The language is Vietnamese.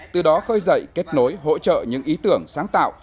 từ đó khơi dậy kết nối hỗ trợ những ý tưởng sáng tạo